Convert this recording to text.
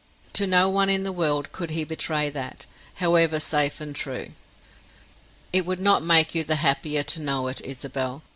To no one in the world could he betray that, however safe and true. "It would not make you the happier to know it, Isabel.